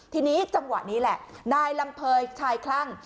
ทีนี้จังหวะนี้แหละนายลำเภยชายคลั่ง